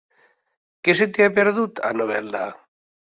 Què se t'hi ha perdut, a Novelda?